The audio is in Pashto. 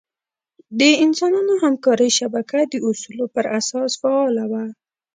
د انسانانو همکارۍ شبکه د اصولو پر اساس فعاله وه.